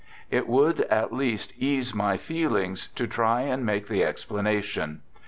It would, at least, ease my feelings to try and make the explanation.